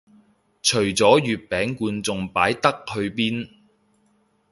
除咗月餅罐仲擺得去邊